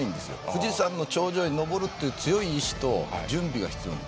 富士山の頂上へ登るという強い意志と準備が必要。